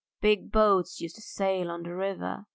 Big boats used to sail on the river.